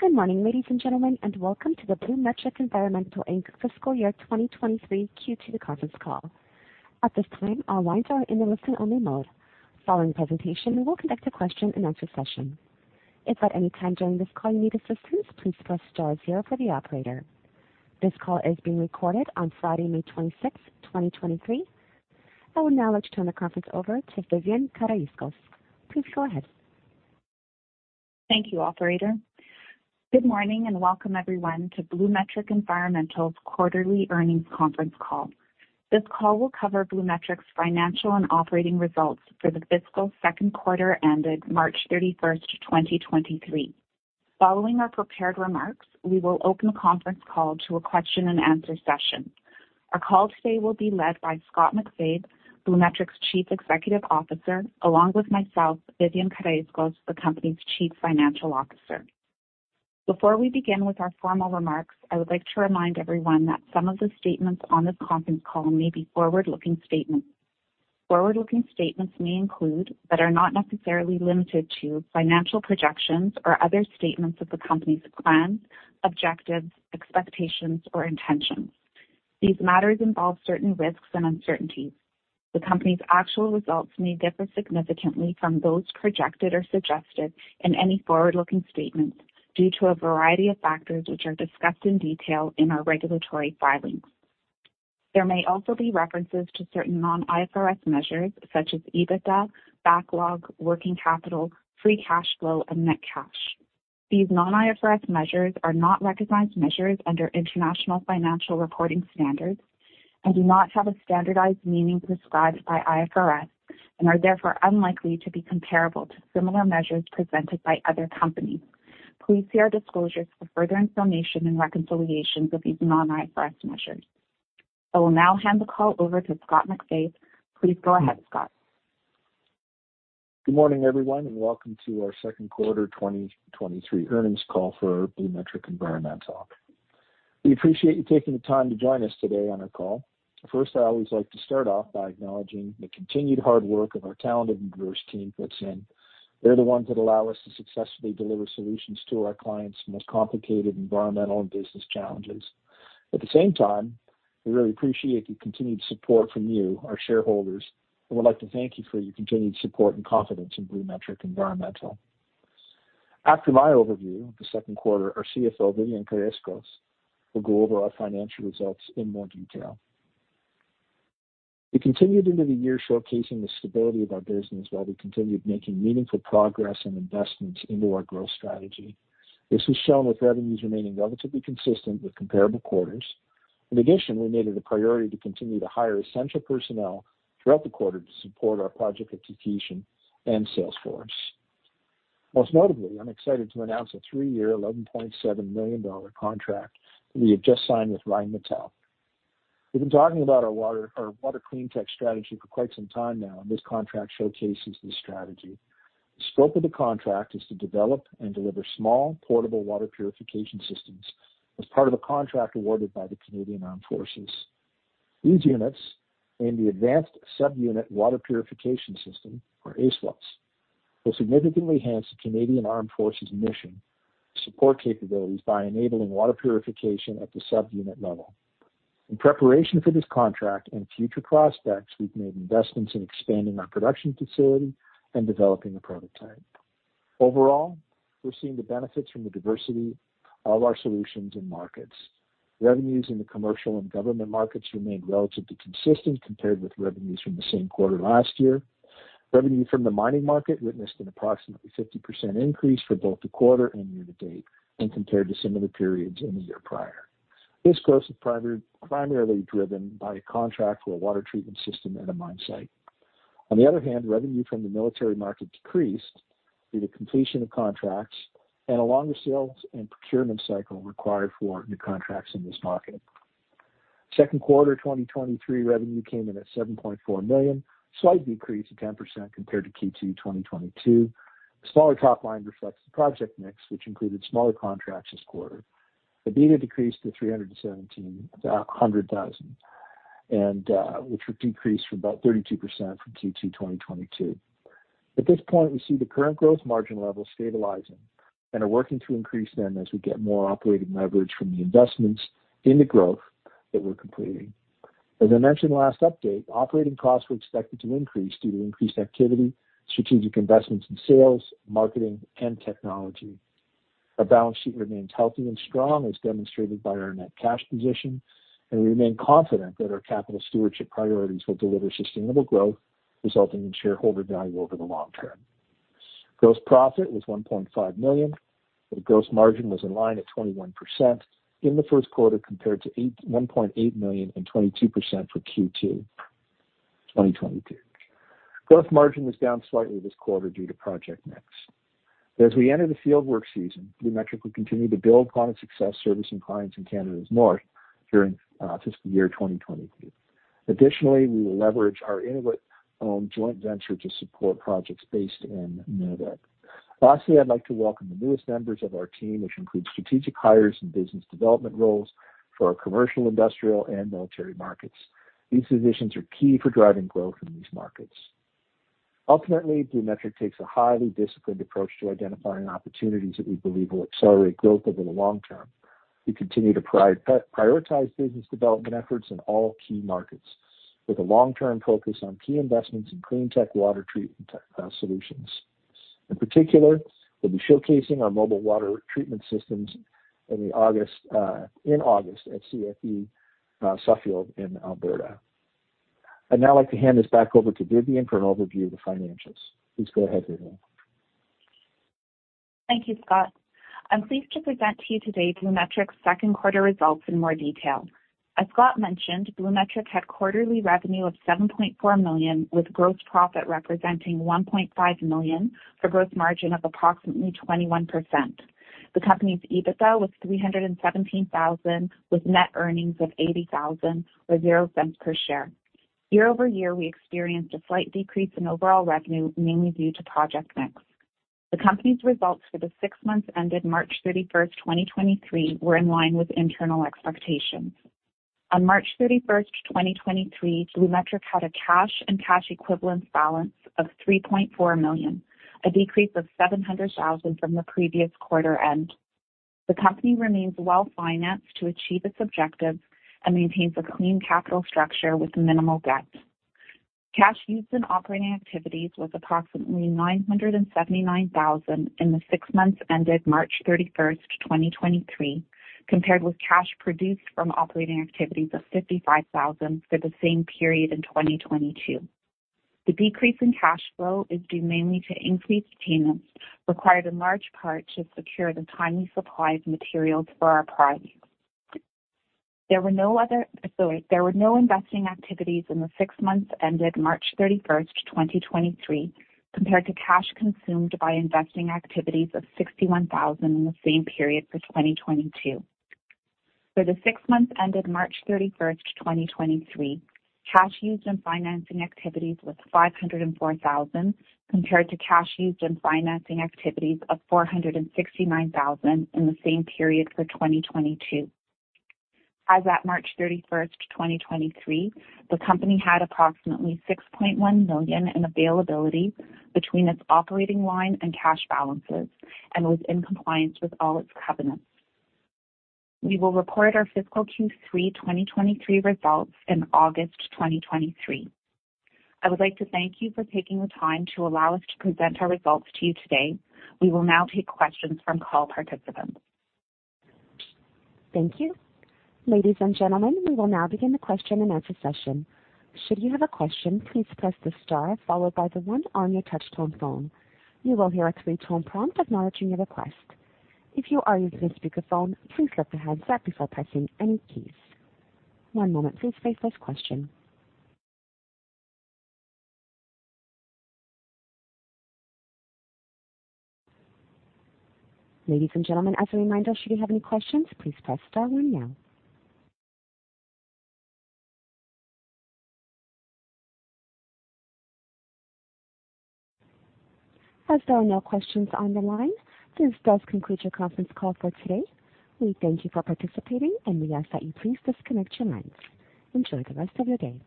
Good morning, ladies and gentlemen, and welcome to the BluMetric Environmental Inc. Fiscal Year 2023 Q2 Conference Call. At this time, our lines are in the listen-only mode. Following the presentation, we will conduct a question-and-answer session. If at any time during this call you need assistance, please press star zero for the operator. This call is being recorded on Friday, May 26th, 2023. I will now like to turn the conference over to Vivian Karaiskos. Please go ahead. Thank you, operator. Good morning, and welcome everyone to BluMetric Environmental's quarterly earnings conference call. This call will cover BluMetric's financial and operating results for the fiscal second quarter ended March 31st, 2023. Following our prepared remarks, we will open the conference call to a question-and-answer session. Our call today will be led by Scott MacFabe, BluMetric's Chief Executive Officer, along with myself, Vivian Karaiskos, the company's Chief Financial Officer. Before we begin with our formal remarks, I would like to remind everyone that some of the statements on this conference call may be forward-looking statements. Forward-looking statements may include, but are not necessarily limited to, financial projections or other statements of the company's plans, objectives, expectations, or intentions. These matters involve certain risks and uncertainties. The company's actual results may differ significantly from those projected or suggested in any forward-looking statements due to a variety of factors, which are discussed in detail in our regulatory filings. There may also be references to certain non-IFRS measures such as EBITDA, backlog, working capital, free cash flow, and net cash. These non-IFRS measures are not recognized measures under International Financial Reporting Standards and do not have a standardized meaning prescribed by IFRS and are therefore unlikely to be comparable to similar measures presented by other companies. Please see our disclosures for further information and reconciliations of these non-IFRS measures. I will now hand the call over to Scott MacFabe. Please go ahead, Scott. Good morning, everyone, and welcome to our second quarter 2023 earnings call for BluMetric Environmental. We appreciate you taking the time to join us today on our call. First, I always like to start off by acknowledging the continued hard work of our talented and diverse team puts in. They're the ones that allow us to successfully deliver solutions to our clients' most complicated environmental and business challenges. At the same time, we really appreciate the continued support from you, our shareholders, and would like to thank you for your continued support and confidence in BluMetric Environmental. After my overview of the second quarter, our CFO, Vivian Karaiskos, will go over our financial results in more detail. We continued into the year showcasing the stability of our business, while we continued making meaningful progress and investments into our growth strategy. This was shown with revenues remaining relatively consistent with comparable quarters. In addition, we made it a priority to continue to hire essential personnel throughout the quarter to support our project execution and sales force. Most notably, I'm excited to announce a three-year, 11.7 million dollar contract that we have just signed with Rheinmetall. We've been talking about our water, our water cleantech strategy for quite some time now, and this contract showcases this strategy. The scope of the contract is to develop and deliver small portable water purification systems as part of a contract awarded by the Canadian Armed Forces. These units, and the Advanced Sub-Unit Water Purification System, or ASUWPS, will significantly enhance the Canadian Armed Forces' mission support capabilities by enabling water purification at the subunit level. In preparation for this contract and future prospects, we've made investments in expanding our production facility and developing a prototype. Overall, we're seeing the benefits from the diversity of our solutions and markets. Revenues in the commercial and government markets remained relatively consistent compared with revenues from the same quarter last year. Revenue from the mining market witnessed an approximately 50% increase for both the quarter and year to date and compared to similar periods in the year prior. This growth is primarily driven by a contract for a water treatment system at a mine site. On the other hand, revenue from the military market decreased due to completion of contracts and a longer sales and procurement cycle required for new contracts in this market. Second quarter 2023 revenue came in at 7.4 million, a slight decrease of 10% compared to Q2 2022. The smaller top line reflects the project mix, which included smaller contracts this quarter. EBITDA decreased to 317,000, which would decrease from about 32% from Q2 2022. At this point, we see the current growth margin levels stabilizing and are working to increase them as we get more operating leverage from the investments in the growth that we're completing. As I mentioned in the last update, operating costs were expected to increase due to increased activity, strategic investments in sales, marketing, and technology. Our balance sheet remains healthy and strong, as demonstrated by our net cash position, and we remain confident that our capital stewardship priorities will deliver sustainable growth, resulting in shareholder value over the long term. Gross profit was 1.5 million, gross margin was in line at 21% in the 1st quarter, compared to 1.8 million and 22% for Q2 2022. Gross margin was down slightly this quarter due to project mix. As we enter the field work season, BluMetric will continue to build upon its success servicing clients in Canada's north during fiscal year 2023. Additionally, we will leverage our Inuit-owned joint venture to support projects based in Nunavut. Lastly, I'd like to welcome the newest members of our team, which includes strategic hires in business development roles for our commercial, industrial, and military markets. These positions are key for driving growth in these markets. Ultimately, BluMetric takes a highly disciplined approach to identifying opportunities that we believe will accelerate growth over the long term. We continue to prioritize business development efforts in all key markets, with a long-term focus on key investments in cleantech water treatment, solutions. In particular, we'll be showcasing our mobile water treatment systems in August at CFB Suffield in Alberta. I'd now like to hand this back over to Vivian for an overview of the financials. Please go ahead, Vivian. Thank you, Scott. I'm pleased to present to you today BluMetric's second quarter results in more detail. As Scott mentioned, BluMetric had quarterly revenue of 7.4 million, with gross profit representing 1.5 million, for a gross margin of approximately 21%. The company's EBITDA was 317,000, with net earnings of 80,000, or 0.00 per share. Year-over-year, we experienced a slight decrease in overall revenue, mainly due to project mix. The company's results for the six months ended March 31, 2023, were in line with internal expectations. On March 31, 2023, BluMetric had a cash and cash equivalents balance of 3.4 million, a decrease of 700,000 from the previous quarter end. The company remains well-financed to achieve its objectives and maintains a clean capital structure with minimal debt. Cash used in operating activities was approximately 979,000 in the six months ended March 31, 2023, compared with cash produced from operating activities of 55,000 for the same period in 2022. The decrease in cash flow is due mainly to increased payments, required in large part to secure the timely supply of materials for our products. There were no investing activities in the six months ended March 31, 2023, compared to cash consumed by investing activities of 61,000 in the same period for 2022. For the six months ended March 31, 2023, cash used in financing activities was 504,000, compared to cash used in financing activities of 469,000 in the same period for 2022. As at March 31st, 2023, the company had approximately 6.1 million in availability between its operating line and cash balances and was in compliance with all its covenants. We will report our fiscal Q3 2023 results in August 2023. I would like to thank you for taking the time to allow us to present our results to you today. We will now take questions from call participants. Thank you. Ladies and gentlemen, we will now begin the question-and-answer session. Should you have a question, please press the star followed by the one on your touchtone phone. You will hear a three-tone prompt acknowledging your request. If you are using a speakerphone, please lift the handset before pressing any keys. One moment, please, for your first question. Ladies and gentlemen, as a reminder, should you have any questions, please press star one now. As there are no questions on the line, this does conclude your conference call for today. We thank you for participating, and we ask that you please disconnect your lines. Enjoy the rest of your day.